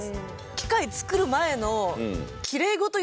機械作る前の。